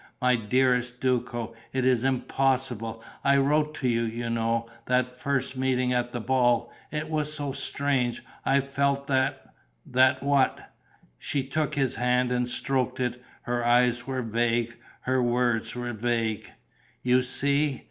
My dearest Duco, it is impossible. I wrote to you, you know: that first meeting at the ball; it was so strange; I felt that ..." "That what?" She took his hand and stroked it; her eyes were vague, her words were vague: "You see